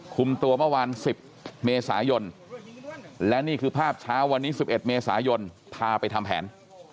คุมตัวเมื่อวาน๑๐เมษายนและนี่คือภาพเช้าวันนี้๑๑เมษายนพาไปทำแผน